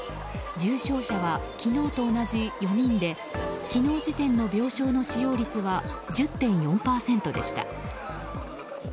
重症者は昨日と同じ４人で昨日時点の病床の使用率は１０．４％でした。